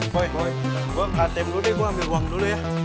hoi gue ktm dulu deh gue ambil uang dulu ya